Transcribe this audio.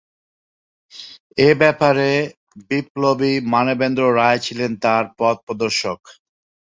এ ব্যাপারে বিপ্লবী মানবেন্দ্রনাথ রায় ছিলেন তার পথপ্রদর্শক।